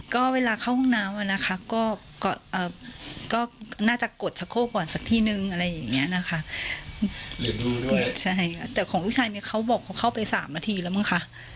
ก็เวลาเข้ารองน้ำค่ะก็น่าจะปลดชักโครกก่อนสักทีหนึ่ง